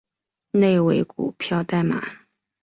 内为股票代码